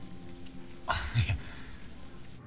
ああいや。